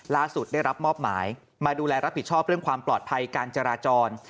ได้รับมอบหมายมาดูแลรับผิดชอบเรื่องความปลอดภัยการจราจร